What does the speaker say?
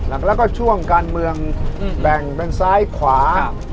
แล้วก็ช่วงการเมืองแบ่งเป็นซ้ายขวา